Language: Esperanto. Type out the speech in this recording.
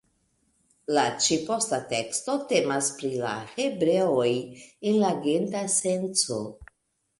La ĉi-posta teksto temas pri la hebreoj en la genta senco.